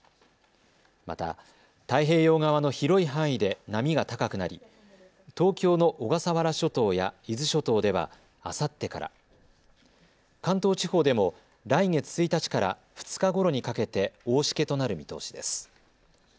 また、太平洋側の広い範囲で波が高くなり東京の小笠原諸島や伊豆諸島ではあさってから、関東地方でも来月１日から２日ごろにかけて大しけとなる見通しです。